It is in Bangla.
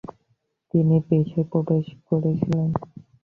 তিনি পেশায় প্রবেশ করেছিলেন।